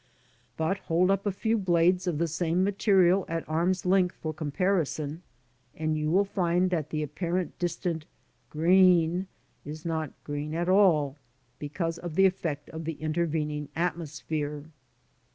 But hold up a few blades of the same material at arm's length for comparison, and you will find that the apparen t distant g reen'' is not green at^ all, beK:ause of the effect or the interyeninjg^ atmosphere.